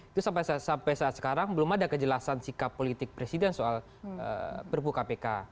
itu sampai saat sekarang belum ada kejelasan sikap politik presiden soal perpu kpk